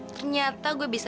ternyata gue bisa tiga